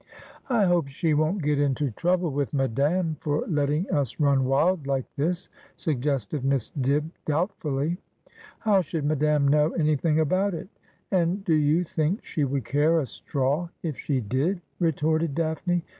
' I hope she won't get into trouble with Madame for letting us run wild like this,' suggested Miss Dibb doubtfully. ' How should Madame know anything about it ? And do you think she would care a straw if she did ?' retorted Daphne.